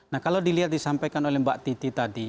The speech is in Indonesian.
nah kalau dilihat disampaikan oleh mbak titi tadi